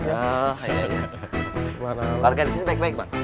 warga disini baik baik pak